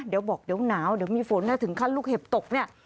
เดี๋ยวบอกเดี๋ยวหนาวเดี๋ยวมีฝนนะถึงขั้นลูกเห็บตกเนี่ย